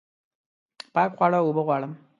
پاک خواړه اوبه غواړم